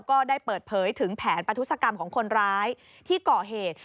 ก็ได้เปิดเผยถึงแผนประทุศกรรมของคนร้ายที่ก่อเหตุ